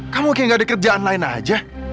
kamu kayak gak ada kerjaan lain aja